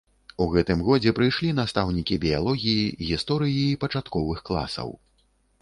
У гэтым годзе прыйшлі настаўнікі біялогіі, гісторыі і пачатковых класаў.